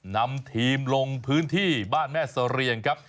นำทีมลงพื้นที่บ้านแม่เสรียงครับ